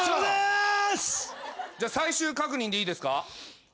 じゃあ最終確認でいいですか？